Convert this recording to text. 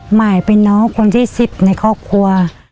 หมายเป็นน้องคนที่๑๐ในครอบครัว